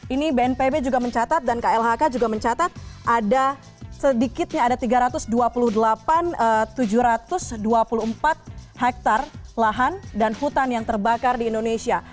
ini bnpb juga mencatat dan klhk juga mencatat ada sedikitnya ada tiga ratus dua puluh delapan tujuh ratus dua puluh empat hektare lahan dan hutan yang terbakar di indonesia